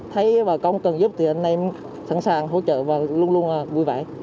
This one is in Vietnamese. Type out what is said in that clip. thấy bà công cần giúp thì anh em sẵn sàng hỗ trợ và luôn luôn vui vẻ